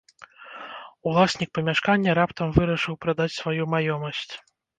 Уласнік памяшкання раптам вырашыў прадаць сваю маёмасць.